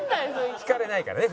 聞かれないからね